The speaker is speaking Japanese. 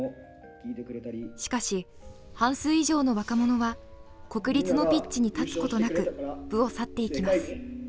しかし半数以上の若者は国立のピッチに立つことなく部を去っていきます。